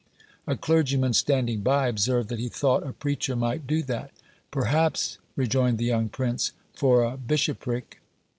A clergyman standing by, observed that he thought a preacher might do that: "Perhaps," rejoined the young prince, "for a bishopric!"